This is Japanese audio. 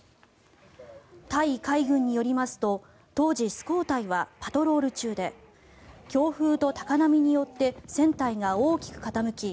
タイ海軍によりますと当時「スコータイ」はパトロール中で強風と高波によって船体が大きく傾き